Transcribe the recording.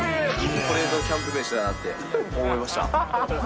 これぞキャンプ飯だなって思いました。